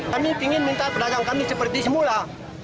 kami ingin minta pedagang kami seperti semula